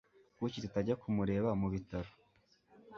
Kuki tutajya kumureba mubitaro?